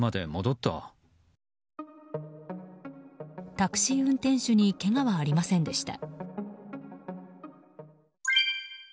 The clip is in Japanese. タクシー運転手にけがはありませんでした。